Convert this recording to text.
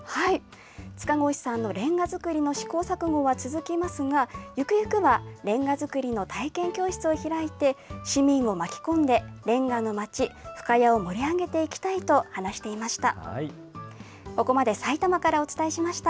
塚越さんのれんが造りの試行錯誤は続きますが、ゆくゆくはれんが造りの体験教室を開いて、市民を巻き込んでれんがの町、深谷を盛り上げていきたいと話していました。